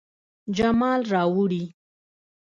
جمال راوړي